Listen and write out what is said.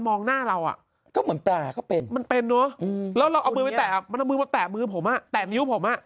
ซื้อกรบที่ตลาดไปปล่อยอะคือตอนที่ปล่อยไปจะไปลูกแม่น้ำ